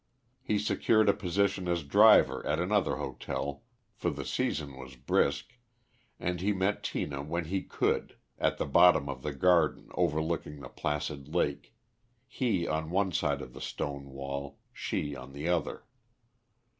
He secured a position as driver at another hotel, for the season was brisk, and he met Tina when he could, at the bottom of the garden overlooking the placid lake, he on one side of the stone wall, she on the other.